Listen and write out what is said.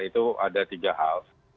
itu ada tiga hal